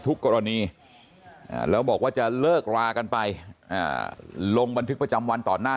กรณีแล้วบอกว่าจะเลิกรากันไปลงบันทึกประจำวันต่อหน้า